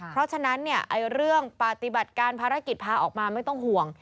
เพราะฉะนั้นเรื่องปฏิบัติการภารกิจพาออกมาไม่ต้องห่วง